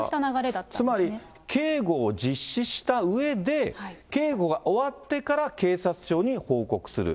だからつまり警護を実施したうえで、警護が終わってから、警察庁に報告する。